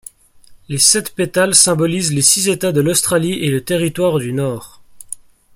Les sept pétales symbolisent les six États de l'Australie et le Territoire du Nord.